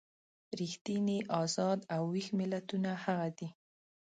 ریښتیني ازاد او ویښ ملتونه هغه دي.